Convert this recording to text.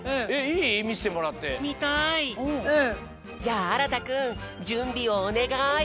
じゃああらたくんじゅんびをおねがい。